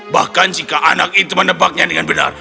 bahkan jika anak itu menebaknya dengan benar